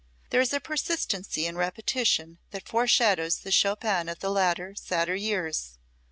There is a persistency in repetition that foreshadows the Chopin of the later, sadder years.